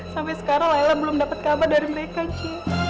sampai sekarang lela belum dapet kabar dari mereka cing